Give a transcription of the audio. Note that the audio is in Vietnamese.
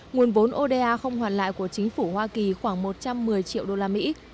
nguồn vốn oda không hoàn lại của chính phủ hoa kỳ khoảng một trăm một mươi triệu usd